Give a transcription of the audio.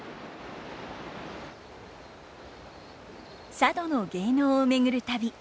佐渡の芸能を巡る旅。